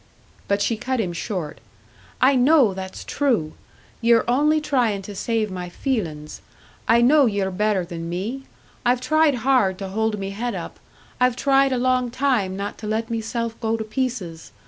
But she cut him short. "I know that's true! Ye're only tryin' to save my feelin's. I know ye're better than me! I've tried hard to hold me head up, I've tried a long time not to let meself go to pieces.